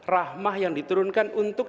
rahmah yang diturunkan untuk